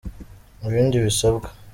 Ibindi bisabwa